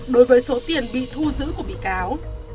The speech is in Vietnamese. đối với số tiền bị thu giữ của bị cáo